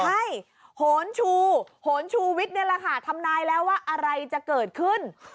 ใช่โหนชูโหนชูวิทย์นี่แหละค่ะทำนายแล้วว่าอะไรจะเกิดขึ้น